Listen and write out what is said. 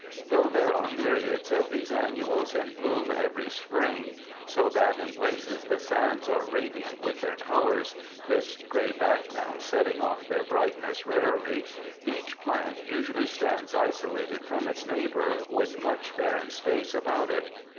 Though there are myriads of these annuals in bloom every spring, so that in places the sands are radiant with their colors, this gray background set ting off their brightness rarely, each plant usually stands isolated from its neighbor with much barren space about it.